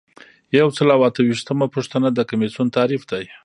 یو سل او اته ویشتمه پوښتنه د کمیسیون تعریف دی.